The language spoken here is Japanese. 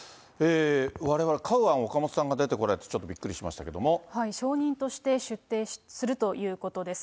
われわれ、カウアン・オカモトさんが出てこられてちょっとびっくりしました証人として出廷するということです。